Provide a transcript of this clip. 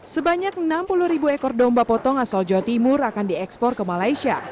sebanyak enam puluh ribu ekor domba potong asal jawa timur akan diekspor ke malaysia